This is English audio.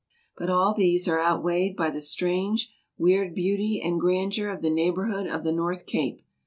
But all these are outweighed by the strange, weird beauty and grandeur of the neighborhood of the North Cape.